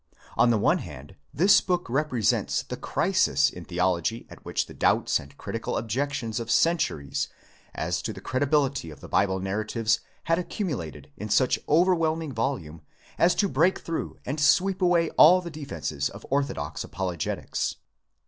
On the one hand, this book represents the crisis in theology at which the doubts and critical objections of centuries as to the credibility of the Bible narratives had accumulated in such overwhelming volume as to break through and sweep away all the defences of orthodox apologetics.